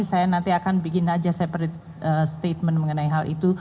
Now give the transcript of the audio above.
saya nanti akan bikin aja statement mengenai hal itu